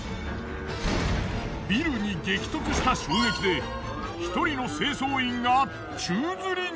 ビルに激突した衝撃で１人の清掃員が宙吊りに。